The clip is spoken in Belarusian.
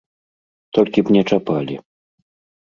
Толькі б не чапалі.